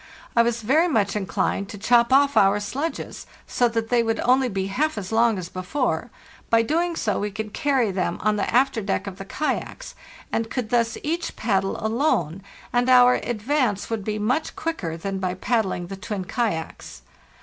I was very much inclined to chop off our sledges, so that they would only be half as long as before; by so doing we could carry them on the after deck of the kayaks, and could thus each paddle alone, and our advance would be much quicker than by pad dling the twin kayaks.